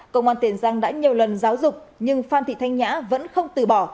công an tiền giang đã nhiều lần giáo dục nhưng phan thị thanh nhã vẫn không từ bỏ